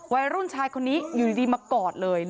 วัยรุ่นชายคนนี้อยู่ดีมากอดเลย